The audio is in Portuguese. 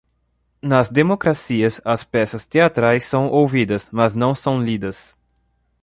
Nas democracias, as peças teatrais são ouvidas, mas não são lidas.